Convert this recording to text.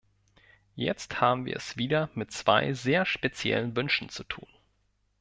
Jetzt haben wir es wieder mit zwei sehr speziellen Wünschen zu tun.